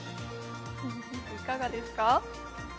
いかがですか？